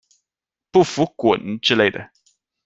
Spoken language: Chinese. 不服滚之类的